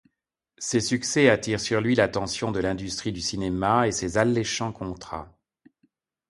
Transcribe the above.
Ses succès attirent sur lui l'attention de l'industrie du cinéma et ses alléchants contrats.